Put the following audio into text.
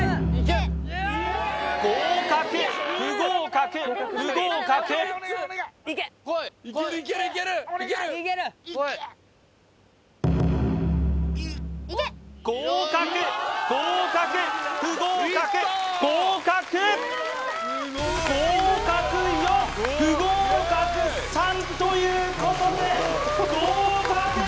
合格不合格不合格合格合格不合格合格！ということで合格！